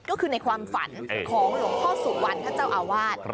ก็คือในความฝันของหลวงพ่อสุวรรณท่านเจ้าอาวาส